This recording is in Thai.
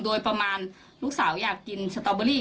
โดยประมาณลูกสาวอยากกินสตอเบอรี่